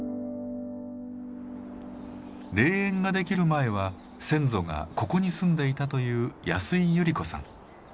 霊園ができる前は先祖がここに住んでいたという安井百合子さん。